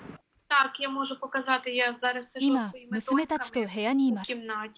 今、娘たちと部屋にいます。